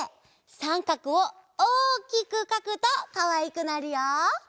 さんかくをおおきくかくとかわいくなるよ。